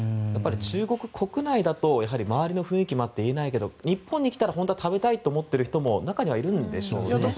中国国内だと周りの雰囲気もあって言えないけど日本に来たら本当は食べたいと思っている人も中に入るんでしょうね。